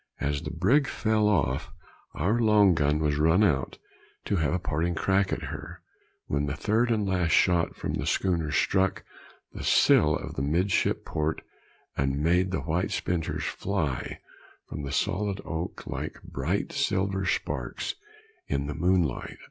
As the brig fell off, our long gun was run out to have a parting crack at her, when the third and last shot from the schooner struck the sill of the midship port, and made the white splinters fly from the solid oak like bright silver sparks in the moonlight.